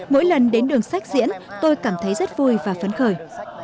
mỗi lần đến đường sách diễn tôi cảm thấy rất vui và phấn khởi